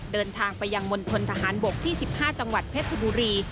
เดินทางไปยังมณฑนทหารบกที่๑๕จังหวัดเพชรบุรี